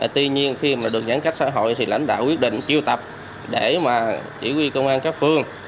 tuy nhiên khi mà được giãn cách xã hội thì lãnh đạo quyết định chiêu tập để mà chỉ huy công an các phương